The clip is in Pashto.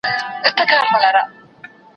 چي كوټې ته سو دننه د ټگانو